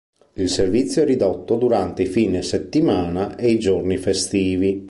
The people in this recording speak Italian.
Il servizio è ridotto durante i fine settimana e i giorni festivi.